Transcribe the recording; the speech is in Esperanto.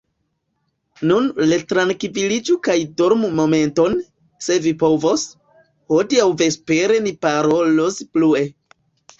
Nun retrankviliĝu kaj dormu momenton, se vi povos, hodiaŭ vespere ni parolos plue.